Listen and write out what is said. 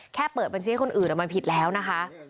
เปิดบัญชีให้คนอื่นมันผิดแล้วนะคะ